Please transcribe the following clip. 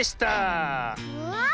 うわ！